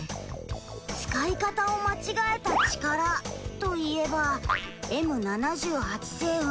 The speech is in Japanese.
使い方を間違えた力といえばＭ７８星雲。